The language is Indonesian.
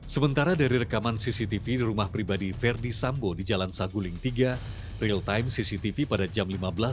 sementara dari rekaman cctv di rumah pribadi verdi sambo di jalan saguling tiga realtime cctv pada jam lima belas dua puluh sembilan lima puluh tujuh